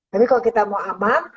tapi kalau kita mau aman